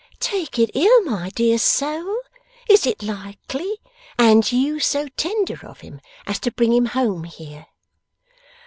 'Take it ill, my dear soul? Is it likely? And you so tender of him as to bring him home here!